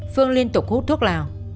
phương liên tục hút thuốc lào